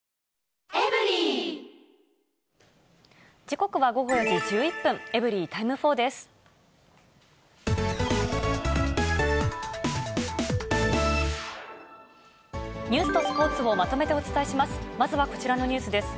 時刻は午後４時１１分、エブリィタイム４です。